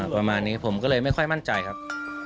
ประมาณนี้ผมก็เลยไม่ค่อยมั่นใจครับ